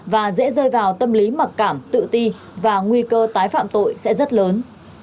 và dễ rơi vào tâm lý mặc cảm tự ti và nguy cơ tái phạm tội sẽ rất lớn